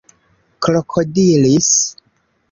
krokodilis